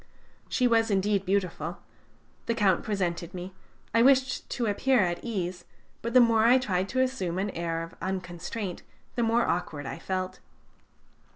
She was indeed beautiful. The Count presented me. I wished to appear at ease, but the more I tried to assume an air of unconstraint, the more awkward I felt.